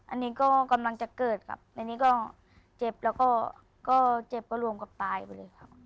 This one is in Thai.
อันนี้ก็กำลังจะเกิดครับในนี้ก็เจ็บแล้วก็เจ็บก็รวมกับตายไปเลยครับ